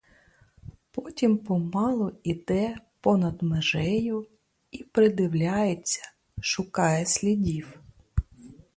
Потім помалу іде понад межею і придивляється, шукає слідів!